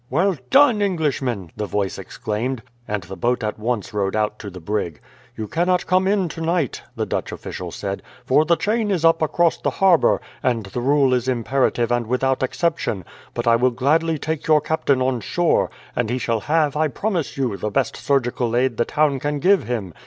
"Well done, Englishmen!" the voice exclaimed, and the boat at once rowed out to the brig. "You cannot come in tonight," the Dutch official said, "for the chain is up across the harbour, and the rule is imperative and without exception; but I will gladly take your captain on shore, and he shall have, I promise you, the best surgical aid the town can give him.